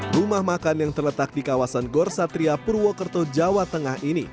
rumah makan yang terletak di kawasan gor satria purwokerto jawa tengah ini